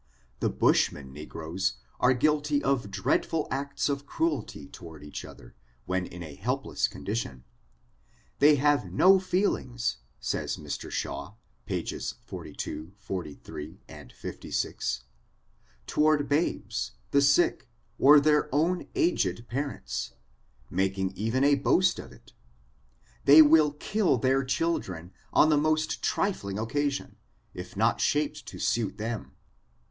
The bushman negroes are guilty of dreadful acts of cruelty toward each other, when in a helpless condition. They have no feel ings, says Mr. Shaw^ pages 42, 43, 56, toward babes, the sick, or their own aged parents, making even a boast of it. They will kill their children on the most trifling occasion, if not shaped to suit them.